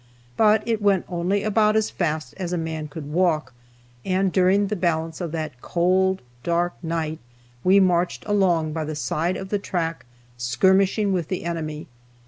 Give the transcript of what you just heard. But it went only about as fast as a man could walk, and during the balance of that cold, dark night, we marched along by the side of the track, skirmishing with the enemy.